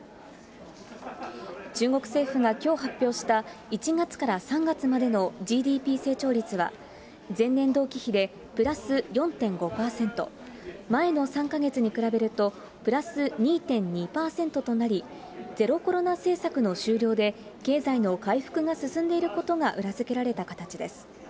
中国政府がきょう発表した１月から３月までのＧＤＰ成長率は、前年同期比でプラス４．５％、前の３か月に比べると、プラス２．２％となり、ゼロコロナ政策の終了で、経済の回復が進んでいることが裏付けられた形です。